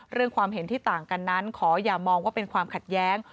ความเห็นที่ต่างกันนั้นขออย่ามองว่าเป็นความขัดแย้ง